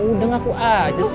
udah ngaku aja sih